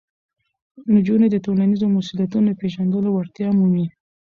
نجونې د ټولنیزو مسؤلیتونو د پېژندلو وړتیا مومي.